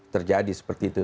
terjadi seperti itu